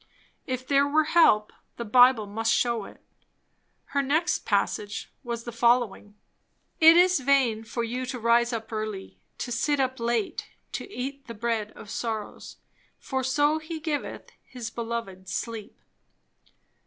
If there were help, the Bible must shew it. Her next passage was the following: "It is vain for you to rise up early, to sit up late, to eat the bread of sorrows; for so he giveth his beloved sleep."